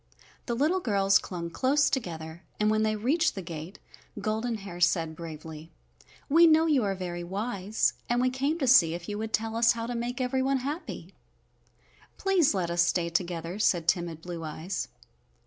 The little girls clung close together, and when they reached the gate Golden Hair said bravely, "We know you are very wise and we came to see if you would tell us how to make everyone happy." "Please let us stay together," said timid Blue Eyes.